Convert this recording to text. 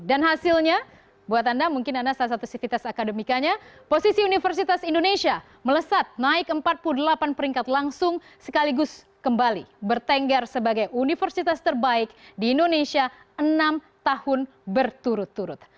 dan hasilnya buat anda mungkin salah satu sifitas akademikanya posisi universitas indonesia melesat naik empat puluh delapan peringkat langsung sekaligus kembali bertengger sebagai universitas terbaik di indonesia enam tahun berturut turut